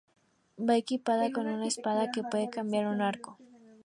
Va equipada con una espada que puede cambiar a un arco.